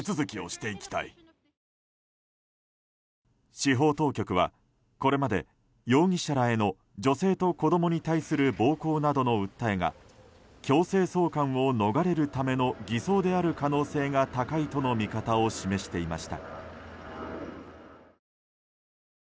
司法当局はこれまで容疑者らへの、女性と子供に対する暴行などの訴えが強制送還を逃れるための偽装である可能性が高いとの見方を示していました。